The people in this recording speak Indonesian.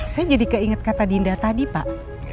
saya jadi keinget kata dinda tadi pak